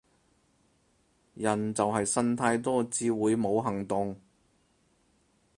人就係呻太多至會冇行動